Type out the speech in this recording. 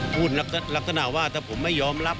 พูดลักษณะว่าถ้าผมไม่ยอมรับ